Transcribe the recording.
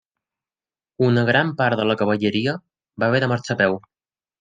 Una gran part de la cavalleria va haver de marxar a peu.